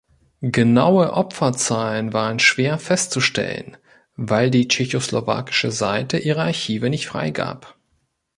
Genaue Opferzahlen waren schwer festzustellen, weil die tschechoslowakische Seite ihre Archive nicht freigab.